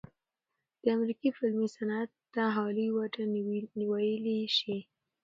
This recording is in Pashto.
د امريکې فلمي صنعت ته هالي وډ وئيلے شي